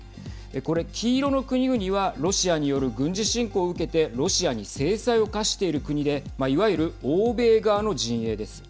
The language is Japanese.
これ、黄色の国々はロシアによる軍事侵攻を受けてロシアに制裁を科している国でいわゆる欧米側の陣営です。